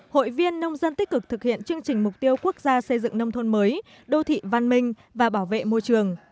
hội viên nông dân tích cực thực hiện chương trình mục tiêu quốc gia xây dựng nông thôn mới đô thị văn minh và bảo vệ môi trường